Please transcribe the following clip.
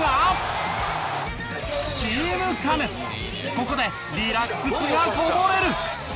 ここでリラックスがこぼれる。